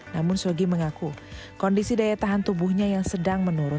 namun syogi mengaku kondisi daya tahan tubuhnya yang sedang menurun